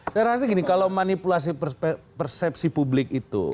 saya rasa gini kalau manipulasi persepsi publik itu